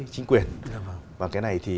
chính quyền và cái này thì